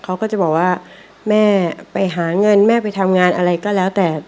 เขาก็จะบอกว่าแม่ไปหาเงินแม่ไปทำงานอะไรก็แล้วแต่